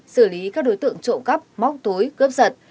sử lý các đối tượng trộm cắp móc tối cướp giật